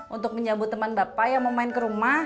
untuk menyambut teman bapak yang mau main ke rumah